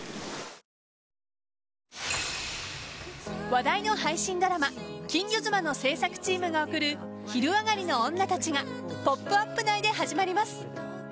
話題の配信ドラマ「金魚妻」の製作チームが送る「昼上がりのオンナたち」が「ポップＵＰ！」内で始まります。